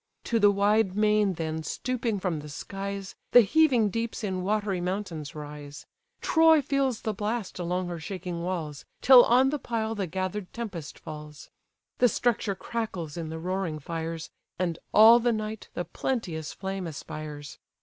To the wide main then stooping from the skies, The heaving deeps in watery mountains rise: Troy feels the blast along her shaking walls, Till on the pile the gather'd tempest falls. The structure crackles in the roaring fires, And all the night the plenteous flame aspires.